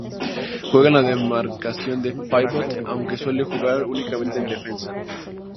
Juega en la demarcación de pívot, aunque suele jugar únicamente en defensa.